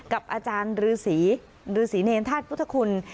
กับอาจารย์ฤษีฤษีเนรธาตุพุทธคุณ